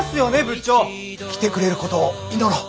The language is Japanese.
来てくれることを祈ろう。